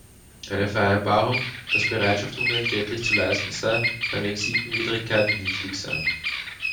Eine Vereinbarung, dass Bereitschaft unentgeltlich zu leisten sei, kann wegen Sittenwidrigkeit nichtig sein.